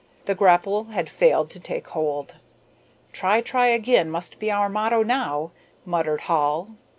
The grapple had failed to take hold. "'Try, try again' must be our motto now," muttered Hall.